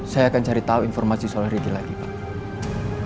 saya akan cari tahu informasi soal reti lagi pak